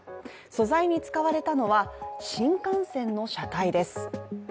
素材に使われたのは新幹線の車体です。